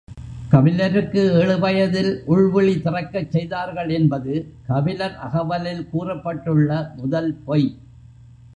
கபிலருக்கு ஏழு வயதில் உள்விழி திறக்கச் செய்தார்கள் என்பது கபிலர் அகவலில் கூறப்பட்டுள்ள முதல் பொய்.